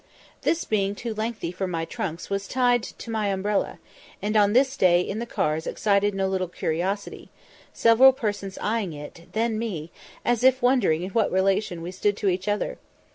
This being too lengthy for my trunks was tied to my umbrella, and on this day in the cars excited no little curiosity, several persons eyeing it, then me, as if wondering in what relation we stood to each other.